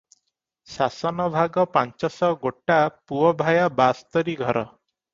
ଶାସନ ଭାଗ ପାଞ୍ଚଶ ଗୋଟା ପୁଅଭାୟା ବାସ୍ତରୀ ଘର ।